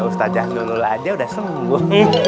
ustazah nunggu dulu aja udah sembuh